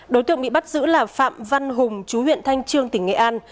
đối tượng bị bắt giữ là phạm văn hùng chú huyện thanh trương tỉnh nghệ an